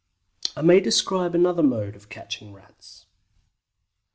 I may describe another mode of catching Rats.